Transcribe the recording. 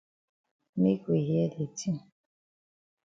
Make we hear de tin.